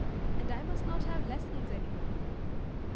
And I must not have lessons any more."